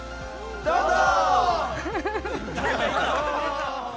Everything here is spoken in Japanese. どうぞ！